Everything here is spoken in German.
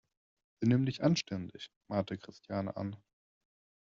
Benimm dich anständig!, mahnte Christiane an.